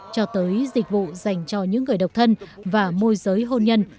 cho tới dịch vụ dành cho những người độc thân và môi giới hôn nhân